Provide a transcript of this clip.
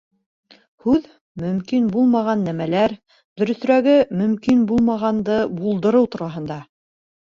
Һүҙ мөмкин булмаған нәмәләр, дөрөҫөрәге, мөмкин булмағанды булдырыу тураһында.